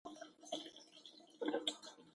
ادبیات هغه وخت خوند کوي چې نورې ستونزې نه وي